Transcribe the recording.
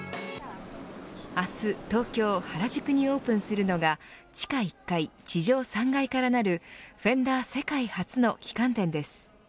明日東京、原宿にオープンするのが地下１階、地上３階からなるフェンダー世界初の旗艦店です。